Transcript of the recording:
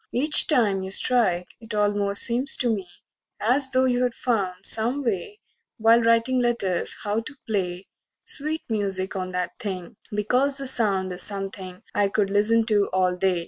Each time you strike It almost seems to me as though you'd found So me way, while writin' letters, how to play Sweet music on that thing, because the sound Is something I could listen to all day.